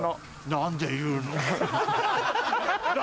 何で言うの？